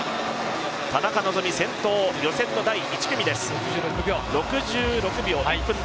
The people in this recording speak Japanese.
田中希実先頭、予選の第１組です。